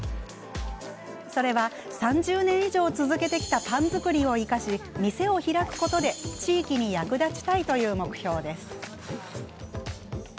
それは、３０年以上続けてきたパン作りを生かし店を開くことで地域に役立ちたいという目標です。